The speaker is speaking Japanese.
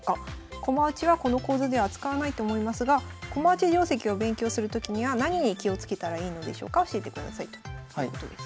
駒落ちはこの講座では扱わないと思いますが駒落ち定跡を勉強するときには何に気をつけたらいいのでしょうか教えてください」ということです。